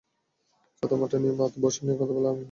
ছাতা মাথায় নিয়েই হলো বর্ষা নিয়ে কথা বলা, গান শোনা, নাচ দেখা।